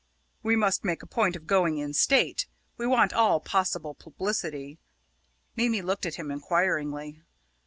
"We must make a point of going in state. We want all possible publicity." Mimi looked at him inquiringly.